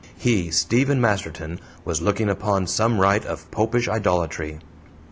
HE, Stephen Masterton, was looking upon some rite of Popish idolatry!